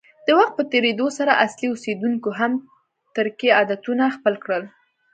د وخت په تېرېدو سره اصلي اوسیدونکو هم ترکي عادتونه خپل کړل.